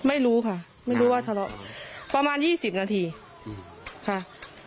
ไม่รู้ค่ะไม่รู้ว่าทะเลาะประมาณยี่สิบนาทีค่ะ